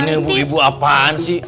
ini ibu ibu apaan sih